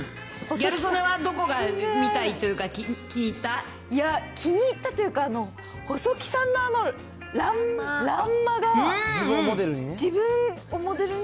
ギャル曽根はどこが見たいというか、気に入ったというか、細木さんのあの欄間が、自分をモデルに。